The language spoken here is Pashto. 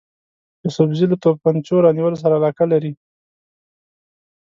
یوسفزي له توپنچو رانیولو سره علاقه لري.